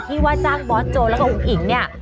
ว่าจ้างบอสโจแล้วก็อุ้งอิ๋งเนี่ย